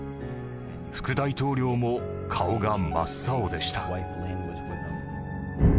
副大統領も顔が真っ青でした。